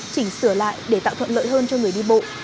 chỉnh sửa lại để tạo thuận lợi hơn cho người đi bộ